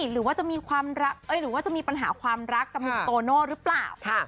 หรือว่าจะมีปัญหาความรักกับโซโน่หรือเปล่า